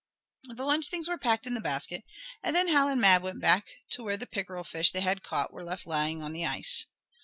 The lunch things were packed in the basket, and then Hal and Mab went back to where the pickerel fish they had caught were left lying on the ice.